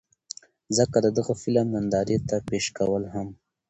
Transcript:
ځکه د دغه فلم نندارې ته پېش کول هم